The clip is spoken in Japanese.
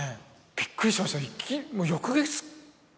びっくりしましたもう。